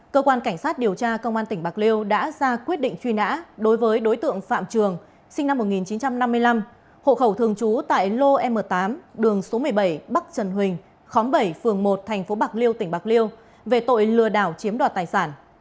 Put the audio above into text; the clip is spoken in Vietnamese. cơ quan cảnh sát điều tra công an tỉnh bạc liêu đã ra quyết định truy nã đối với đối tượng phạm trường sinh năm một nghìn chín trăm năm mươi năm hộ khẩu thường trú tại lô m tám đường số một mươi bảy bắc trần huỳnh khóm bảy phường một tp bạc liêu tỉnh bạc liêu về tội lừa đảo chiếm đoạt tài sản